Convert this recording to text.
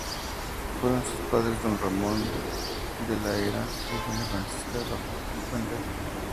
Fueron sus padres don Ramón de La Hera y doña Francisca de la Puente.